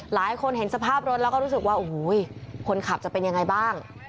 หลายคนเห็นสภาพรถแล้วก็รู้สึกว่าโอ้โหคนขับจะเป็นยังไงบ้าง